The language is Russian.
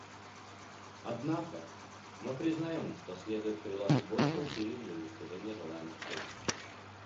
Однако мы признаем, что следует приложить больше усилий для достижения желаемых целей.